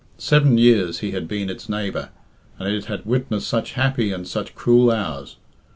Seven years he had been its neighbour, and it had witnessed such happy and such cruel hours.